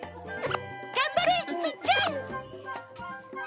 頑張れ、ついちゃん。